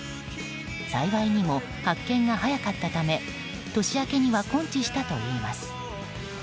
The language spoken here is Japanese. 幸いにも発見が早かったため年明けには根治したといいます。